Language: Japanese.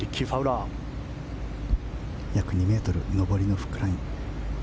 約２ｍ上りのフックライン。